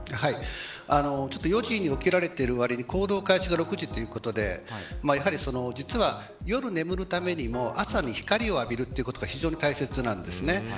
ちょっと４時に起きられてるわりに行動開始が６時ということで実は、夜眠るためにも朝に光を浴びることが非常に大切なんです。